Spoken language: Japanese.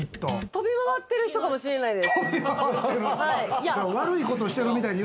飛び回ってる人かもしれないです。